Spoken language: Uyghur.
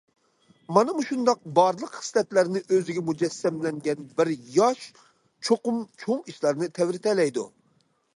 مانا مۇشۇنداق بارلىق خىسلەتلەرنى ئۆزىگە مۇجەسسەملەنگەن بىر ياش چوقۇم چوڭ ئىشلارنى تەۋرىتەلەيدۇ.